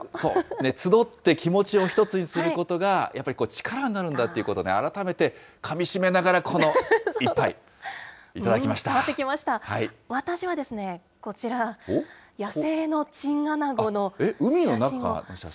集って気持ちを一つにすることが、やっぱり力になるんだということをね、改めてかみしめながらこの１杯、私はこちら、野生のチンアナ海の中の写真？